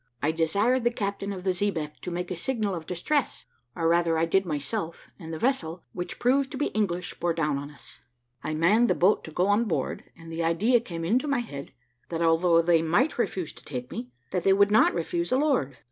I desired the captain of the xebeque to make a signal of distress, or rather I did myself, and the vessel, which proved to be English, bore down to us. "I manned the boat to go on board, and the idea came into my head, that although they might refuse to take me, that they would not refuse a lord.